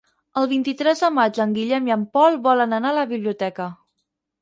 El vint-i-tres de maig en Guillem i en Pol volen anar a la biblioteca.